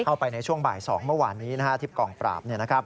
เข้าไปในช่วงบ่ายสองเมื่อวานนี้นะครับทิพย์กล่องปราบ